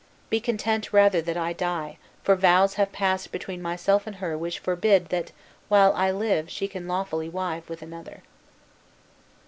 Be content rather that I die; for vows have passed between myself and her which forbid that while I live she can lawfully wive with another."